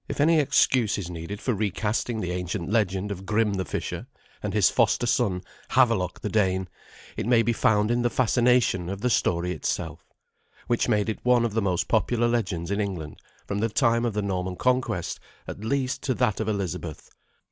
If any excuse is needed for recasting the ancient legend of Grim the fisher and his foster son Havelok the Dane, it may be found in the fascination of the story itself, which made it one of the most popular legends in England from the time of the Norman conquest, at least, to that of Elizabeth.